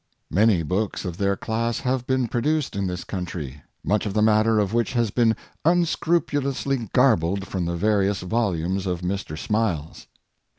Many books of their class have been produced in this country, much of the matter of which has been unscrupulously garbled from the various vol umes of Mr. Smiles.